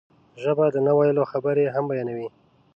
ژبه د نه ویلو خبرې هم بیانوي